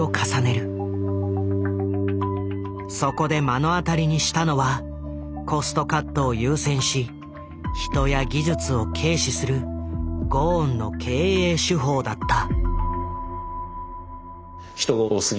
そこで目の当たりにしたのはコストカットを優先し人や技術を軽視するゴーンの経営手法だった。